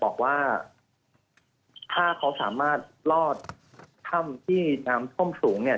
บอกว่าถ้าเขาสามารถรอดถ้ำที่น้ำท่วมสูงเนี่ย